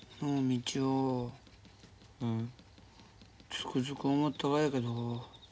つくづく思ったがやけど